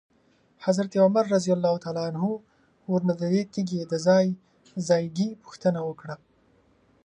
حضرت عمر رضی الله عنه ورنه ددې تیږي د ځای ځایګي پوښتنه وکړه.